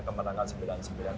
kemenangan sembilan puluh sembilan